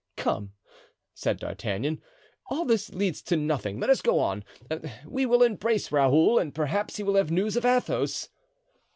"Come," said D'Artagnan, "all this leads to nothing. Let us go on. We will embrace Raoul, and perhaps he will have news of Athos."